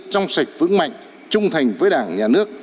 trong sạch vững mạnh trung thành với đảng nhà nước